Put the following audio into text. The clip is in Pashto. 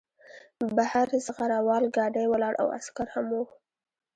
بهر زغره وال ګاډی ولاړ و او عسکر هم وو